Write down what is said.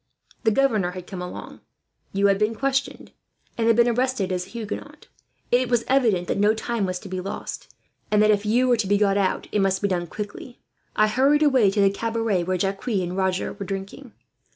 The governor had come along, you had been questioned, and had been arrested as a Huguenot. It was evident that no time was to be lost and that, if you were to be got out, it must be done quickly. "I hurried away to the cabaret where Jacques and Roger were drinking.